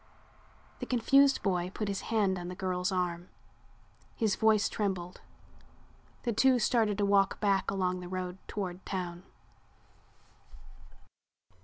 The confused boy put his hand on the girl's arm. His voice trembled. The two started to walk back along the road toward town.